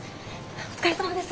お疲れさまです。